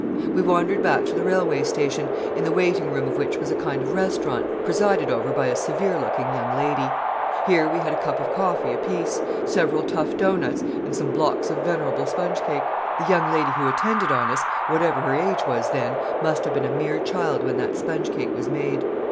'We wandered back to the railway station, in the waiting room of which was a kind of restaurant presided over by a severe looking young lady. Here we had a cup of coffee apiece, several tough doughnuts, and some blocks of venerable spongecake. The young lady who attended on us, whatever her age was then, must have been a mere child when that sponge cake was made.